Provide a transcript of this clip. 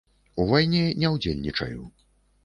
У вайне не ўдзельнічаю.